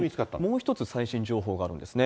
もう１つ、最新情報があるんですね。